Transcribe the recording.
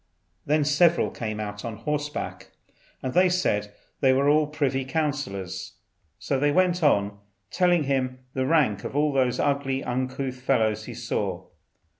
Then several came out on horseback, and they said these were the privy councillors. So they went on, telling him the rank of all the ugly uncouth fellows he saw.